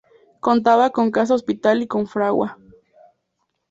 Contaba con casa hospital y con fragua.